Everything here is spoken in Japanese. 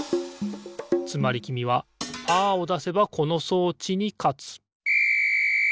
つまりきみはパーをだせばこの装置にかつピッ！